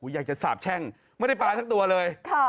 อยากจะสาบแช่งไม่ได้ปลาทั้งตัวเลย